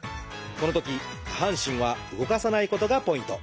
このとき下半身は動かさないことがポイント。